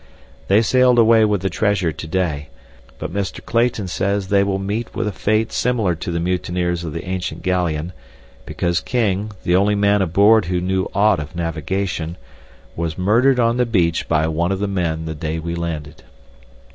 They sailed away with the treasure to day, but Mr. Clayton says they will meet with a fate similar to the mutineers of the ancient galleon, because King, the only man aboard who knew aught of navigation, was murdered on the beach by one of the men the day we landed.